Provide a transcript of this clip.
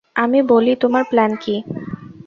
আমি বলি, তোমার প্ল্যান কী?